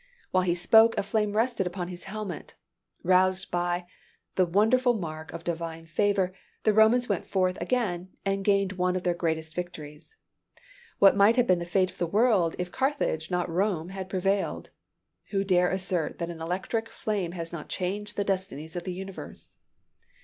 While he spoke, a flame rested upon his helmet. Roused by the wonderful mark of divine favor, the Romans went forth yet again, and gained one of their greatest victories. What might have been the fate of the world if Carthage, not Rome, had prevailed? Who dare assert that an electric flame has not changed the destinies of the universe?